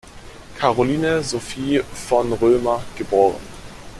Caroline Sophie von Römer geb.